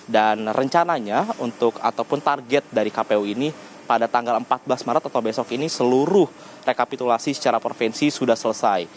dan rencananya untuk ataupun target dari kpu ini pada tanggal empat belas maret atau besok ini seluruh rekapitulasi secara provinsi sudah selesai